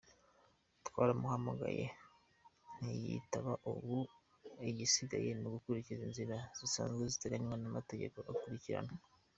Twaramuhamagaye ntiyitaba, ubu igisigaye ni ugukurikiza inzira zisanzwe ziteganywa n’amategeko agakurikiranwa.